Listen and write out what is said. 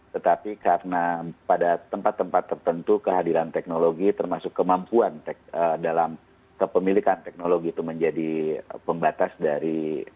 tetapi karena pada tempat tempat tertentu kehadiran teknologi termasuk kemampuan dalam kepemilikan teknologi itu menjadi pembatas dari